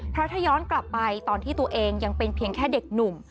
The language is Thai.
เพราะถ้าย้อนกลับไปตอนที่ตัวเองยังเป็นเพียงแค่เด็กหนุ่ม